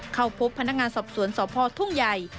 เข้าพบพนักงานสอบสวนสพทุ่งใหญ่